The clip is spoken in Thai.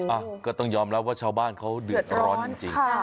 อ่ะก็ต้องยอมรับว่าชาวบ้านเขาเดือดร้อนจริง